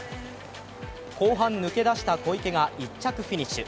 後半抜け出した小池が１着フィニッシュ。